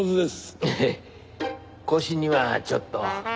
ええ腰にはちょっと。